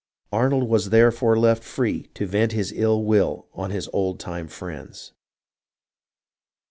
Ar nold was therefore left free to vent his ill will on his old time friends.